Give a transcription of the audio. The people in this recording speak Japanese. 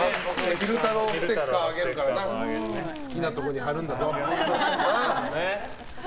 昼太郎ステッカーもあげるからな好きなところに貼るんだぞ。